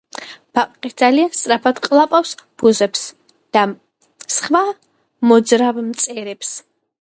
ბაყაყი ძალიან სწრაფად ყლაპავს ბუზებს და სხვა მოძრავ მწერებს